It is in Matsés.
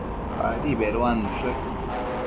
Padi beduannushe